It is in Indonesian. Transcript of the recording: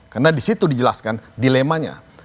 karena di situ dijelaskan dilemanya